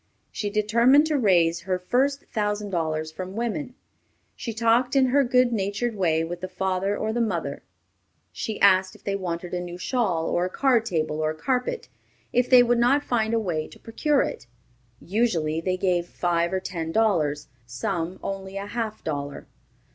She determined to raise her first thousand dollars from women. She talked in her good natured way with the father or the mother. She asked if they wanted a new shawl or card table or carpet, if they would not find a way to procure it. Usually they gave five or ten dollars; some, only a half dollar.